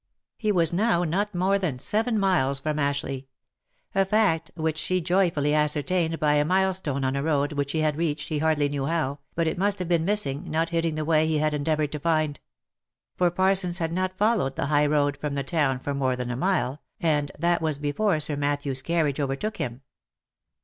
He was now not more than seven miles from Ashleigh ; a fact which he joyfully ascertained by a milestone on a road which he had reached, he hardly knew how, but it must have been by missing, not hitting the way he had endeavoured to find ; for Parsons had not fol lowed the high road from the town for more than a mile, and that was before Sir Matthew's carriage overtook him.